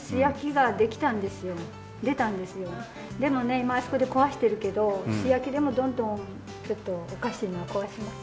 今あそこで壊してるけど素焼きでもどんどんおかしいのは壊します。